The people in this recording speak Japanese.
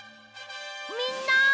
みんな！